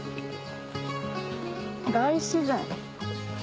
大自然。